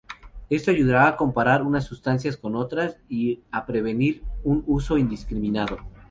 Esto ayudara a comparar unas sustancias con otras y a prevenir un uso indiscriminado.